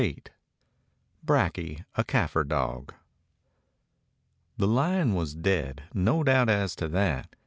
172 BRAKJE: A KAFIR DOG T HE lion was dead; no doubt as to that.